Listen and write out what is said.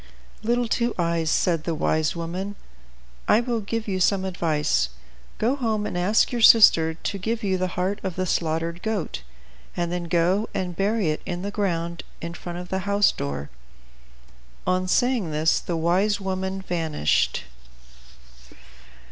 "Little Two Eyes," said the wise woman, "I will give you some good advice. Go home, and ask your sister to give you the heart of the slaughtered goat, and then go and bury it in the ground in front of the house door." On saying this the wise woman vanished.